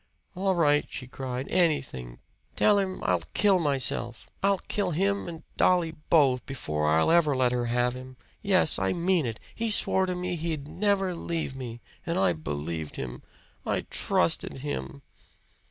"All right!" she cried. "Anything! Tell him I'll kill myself! I'll kill him and Dolly both, before I'll ever let her have him! Yes, I mean it! He swore to me he'd never leave me! And I believed him I trusted him!"